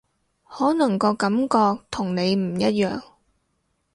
可能個感覺同你唔一樣